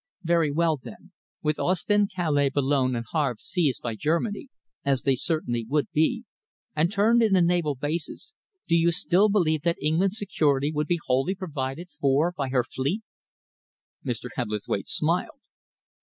Very well, then. With Ostend, Calais, Boulogne, and Havre seized by Germany, as they certainly would be, and turned into naval bases, do you still believe that England's security would be wholly provided for by her fleet?" Mr. Hebblethwaite smiled.